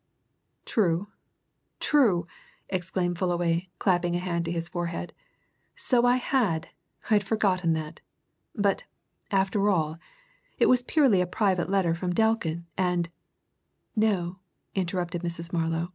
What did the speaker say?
"True true!" exclaimed Fullaway, clapping a hand to his forehead. "So I had! I'd forgotten that. But, after all, it was purely a private letter from Delkin, and " "No," interrupted Mrs. Marlow.